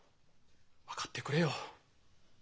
分かってくれよ。